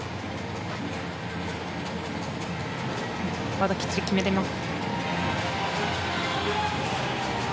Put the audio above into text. まだきっちり決めています。